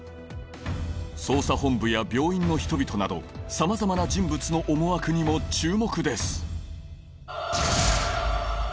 捜査本部や病院の人々などさまざまな人物の思惑にも注目です